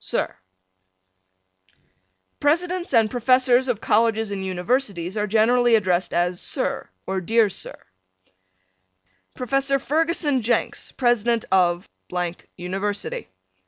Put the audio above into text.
Sir: Presidents and Professors of Colleges and Universities are generally addressed as Sir or Dear Sir. Professor Ferguson Jenks, President of .......... University.